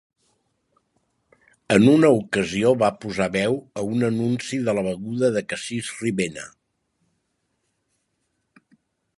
En una ocasió va posar veu a un anunci de la beguda de cassís Ribena.